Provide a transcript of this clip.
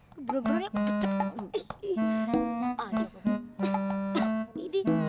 keburu buru ya aku pecek